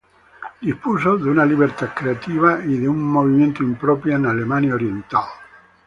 Dispuso de una libertad creativa y de movimientos impropia en Alemania Oriental.